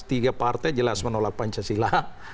tiga partai jelas menolak pancasila